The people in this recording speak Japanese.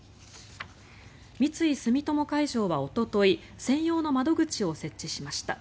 三井住友海上はおととい専用の窓口を設置しました。